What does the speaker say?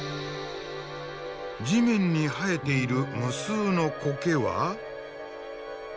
地面に生えている無数の苔は。